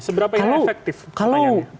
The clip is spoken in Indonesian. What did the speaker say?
seberapa yang efektif pertanyaannya